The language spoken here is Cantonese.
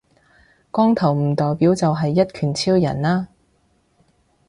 光頭唔代表就係一拳超人呀